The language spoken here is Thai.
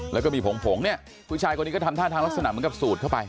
แล้วก็มีผงผงเนี่ยผู้ชายคนนี้ก็ทำท่าทางลักษณะเหมือนกับสูดเข้าไป